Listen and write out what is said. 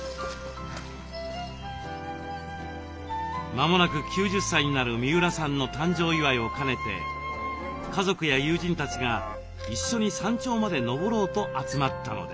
まもなく９０歳になる三浦さんの誕生祝いを兼ねて家族や友人たちが一緒に山頂まで登ろうと集まったのです。